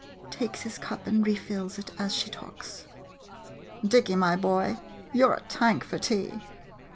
[Takes his cup and refills it as she talks.] Dicky, my boy, you 're a tank for tea.